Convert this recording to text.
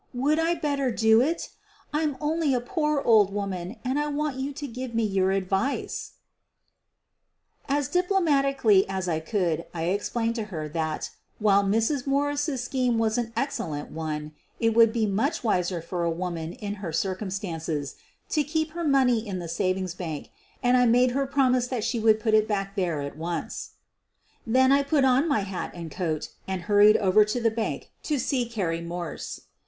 Would I better do it? I'm only a poor old woman and I want you to give me your advice V As diplomatically as I could I explained to her that, while Mrs. Morse's scheme was an excellent one, it would be much wiser for a woman in her cir cumstances to keep her money in the savings bank, and I made her promise that she would put it back there at once. Then I put on my hat and coat and hurried over to the bank to see Carrie Morse.